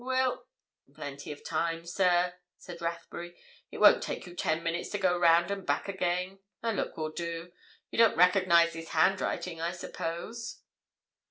Will—" "Plenty of time, sir," said Rathbury; "it won't take you ten minutes to go round and back again—a look will do. You don't recognize this handwriting, I suppose?"